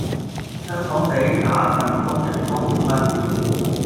香港地，打份工人工好奀